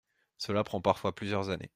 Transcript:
Cela prend parfois plusieurs années.